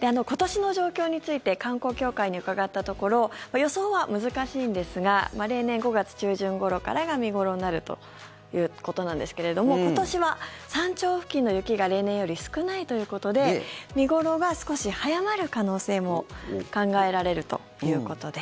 今年の状況について観光協会に伺ったところ予想は難しいんですが例年５月中旬ごろからが見頃になるということなんですが今年は山頂付近の雪が例年より少ないということで見頃が少し早まる可能性も考えられるということです。